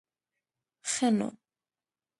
ښه نو.